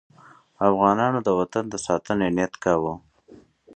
افغانان د وطن د ساتنې نیت کاوه.